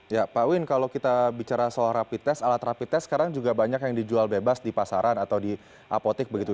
ya pak win kalau kita bicara soal rapid test alat rapid test sekarang juga banyak yang dijual bebas di pasaran atau di apotek begitu